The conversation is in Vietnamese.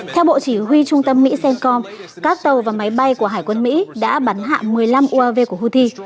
theo bộ chỉ huy trung tâm mỹ cencom các tàu và máy bay của hải quân mỹ đã bắn hạ một mươi năm uav của houthi